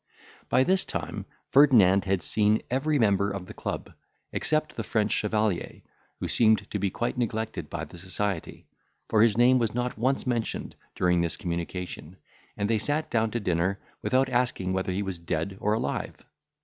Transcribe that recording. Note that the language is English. By this time Ferdinand had seen every member of the club, except the French chevalier, who seemed to be quite neglected by the society; for his name was not once mentioned during this communication, and they sat down to dinner, without asking whether he was dead or alive.